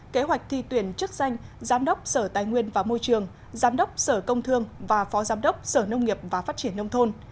kế hoạch thi tuyển chức danh giám đốc sở tài nguyên và môi trường giám đốc sở công thương và phó giám đốc sở nông nghiệp và phát triển nông thôn